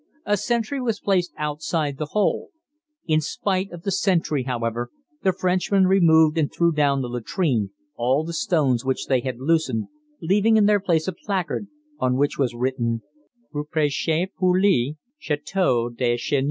A sentry was placed outside the hole. In spite of the sentry, however, the Frenchmen removed and threw down the latrine all the stones which they had loosened, leaving in their place a placard on which was written, "Représailles pour le Château de Chauny."